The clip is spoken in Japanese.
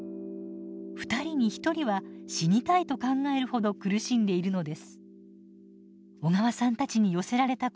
２人に１人は「死にたい」と考えるほど苦しんでいるのです。